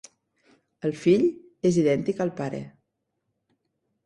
El fill és idèntic al pare.